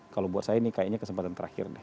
kalau buat saya ini kayaknya kesempatan terakhir deh